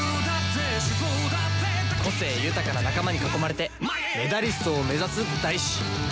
個性豊かな仲間に囲まれてメダリストを目指す大志。